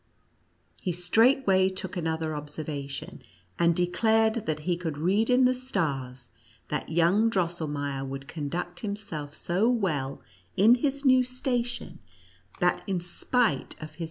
He straightway took another observation, and de clared that he could read in the stars, that young Drosselmeier would conduct himself so well in his new station, that in spite of his 88 NUTCPwACKER AND MOUSE KING.